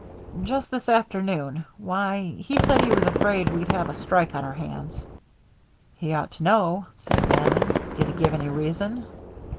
"Just this afternoon. Why, he said he was afraid we'd have a strike on our hands." "He ought to know," said Bannon. "Did he give any reason?"